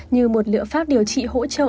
như một liệu pháp điều trị hỗ trợ